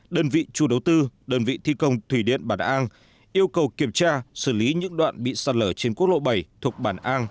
đơn vị chủ đầu tư đơn vị thi công thủy điện bản an yêu cầu kiểm tra xử lý những đoạn bị sạt lở trên quốc lộ bảy thuộc bản an